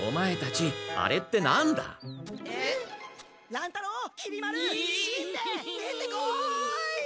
乱太郎きり丸しんべヱ出てこい！